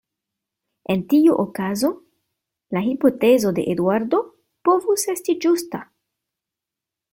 En tiu okazo la hipotezo de Eduardo povus esti ĝusta.